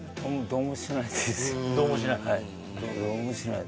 どうもしない？